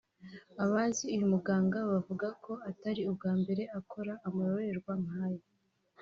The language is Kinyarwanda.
Abazi uyu muganga bavuga ko atari ubwa mbere akora amarorerwa nkaya